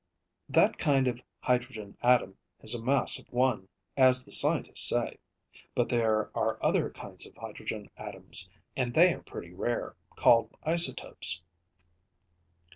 "That kind of hydrogen atom has a mass of one, as the scientists say. But there are other kinds of hydrogen atoms, and they are pretty rare, called isotopes.